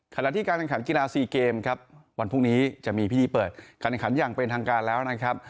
ขณะที่การแข่งขันกีฬาซีเกมครับวันพรุ่งนี้จะมีพิธีเปิดการแข่งขันอย่างเป็นทางการแล้วนะครับ